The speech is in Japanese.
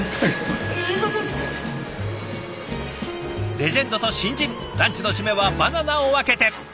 レジェンドと新人ランチの締めはバナナを分けて。